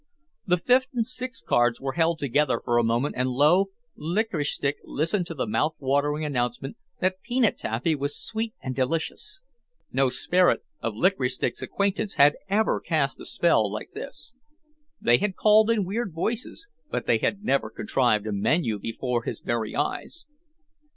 The fifth and sixth cards were held together for a moment and lo, Licorice Stick listened to the mouth watering announcement that peanut taffy was sweet and delicious. No "sperrit" of Licorice Stick's acquaintance had ever cast a spell like this. They had called in weird voices but they had never contrived a menu before his very eyes.